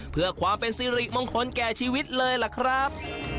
เพื่อความเป็นสิริมงคลแก่ชีวิตเลยล่ะครับ